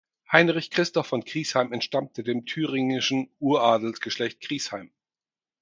Heinrich Christoph von Griesheim entstammte dem thüringischen Uradelsgeschlecht Griesheim.